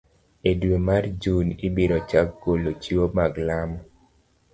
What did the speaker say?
E dwe mar Jun, ibiro chak golo chiwo mag lamo